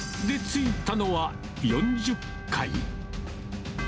で、着いたのは４０階。